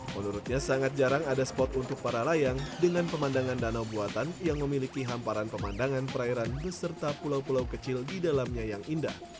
menurutnya sangat jarang ada spot untuk para layang dengan pemandangan danau buatan yang memiliki hamparan pemandangan perairan beserta pulau pulau kecil di dalamnya yang indah